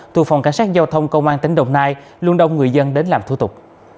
thuộc phòng cảnh sát giao thông công an tỉnh đồng nai luôn đông người dân đến làm thủ tục